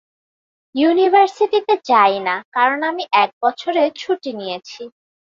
ইউনিভার্সিটিতে যাই না, কারণ আমি এক বছরের ছুটি নিয়েছি।